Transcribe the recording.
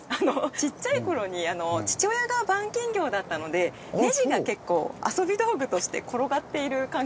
ちっちゃい頃に父親が板金業だったのでネジが結構遊び道具として転がっている環境で。